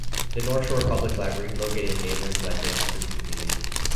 The North Shore Public Library, located in neighboring Glendale, serves the community.